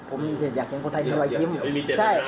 ผมอยากให้คนไทยมีวัยยิ้มใช่ไม่มีเจตนา